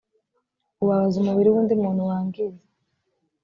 ubabaza umubiri w undi muntu wangiza